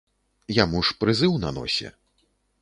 Яму ж прызыў на носе.